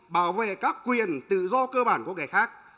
bảo vệ các quyền tự do cơ bản của người khác